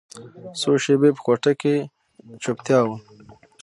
څو شېبې په کوټه کښې چوپتيا وه.